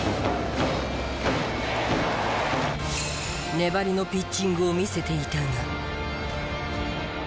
粘りのピッチングを見せていたが。